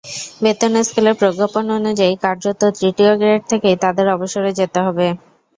বেতন স্কেলের প্রজ্ঞাপন অনুযায়ী কার্যত তৃতীয় গ্রেড থেকেই তাঁদের অবসরে যেতে হবে।